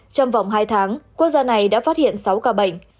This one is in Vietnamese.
trong vòng hai tháng quốc gia này đã phát hiện sáu ca bệnh